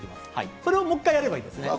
それをもう一回やればいいです。